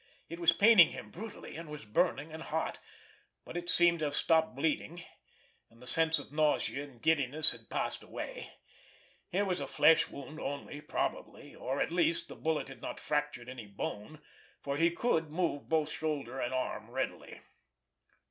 It was paining him brutally, and was burning and hot, but it seemed to have stopped bleeding, and the sense of nausea and giddiness had passed away. It was a flesh wound only, probably; or, at least, the bullet had not fractured any bone, for he could move both shoulder and arm readily.